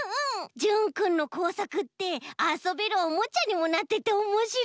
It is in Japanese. じゅんくんのこうさくってあそべるおもちゃにもなってておもしろいなあ！